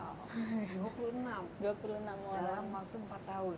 wow dua puluh enam orang dalam waktu empat tahun